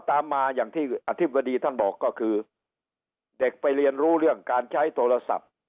ตามมาอย่างที่อธิบดีท่านบอกก็คือเด็กไปเรียนรู้เรื่องการใช้โทรศัพท์